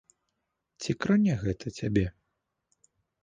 Ці кране гэта цябе?